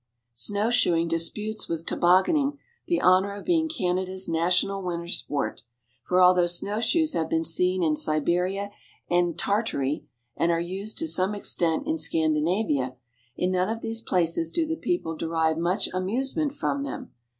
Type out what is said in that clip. Snow shoeing disputes with tobogganing the honour of being Canada's national winter sport; for although snow shoes have been seen in Siberia and Tartary, and are used to some extent in Scandinavia, in none of these places do the people derive much amusement from them.